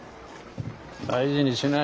大事にしなよ。